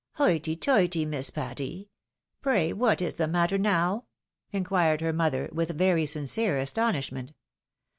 " Hoity, toity ! Miss Patty. Pray what is the matter now ?" inquired her mother, with very sincere astonishment.